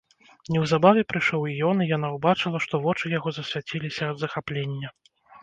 Неўзабаве прыйшоў і ён, і яна ўбачыла, што вочы яго засвяціліся ад захаплення.